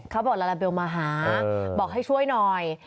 เขาบอกลาลาเบลมาหาบอกให้ช่วยหน่อย